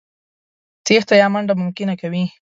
تېښته يا منډه ممکنه کوي.